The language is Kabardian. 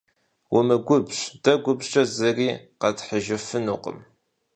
Умыгубжь, дэ губжькӏэ зыри къэтхьыжыфынукъым.